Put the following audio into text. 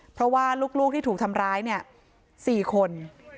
เพราะว่าลูกที่ถูกทำร้ายเนี่ย๔คน